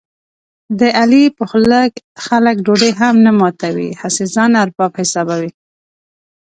د علي په خوله خلک ډوډۍ هم نه ماتوي، هسې ځان ارباب حسابوي.